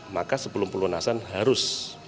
maka sebelum pelunasan harus